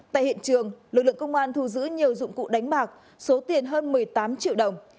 tại hiện trường lực lượng công an thu giữ nhiều dụng cụ đánh bạc số tiền hơn một mươi tám triệu đồng